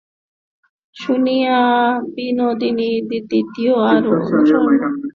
শুনিয়া বিনোদিনী দ্বিতীয় বার অনুরোধ মাত্র না করিয়া সে-মাছ বিহারীর পাতে ফেলিয়া দিল।